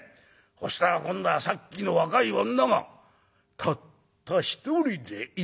そしたら今度はさっきの若い女がたった一人で居やがんだよ」。